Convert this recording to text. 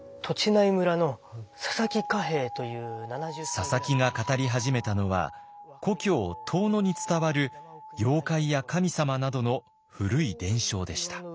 佐々木が語り始めたのは故郷遠野に伝わる妖怪や神様などの古い伝承でした。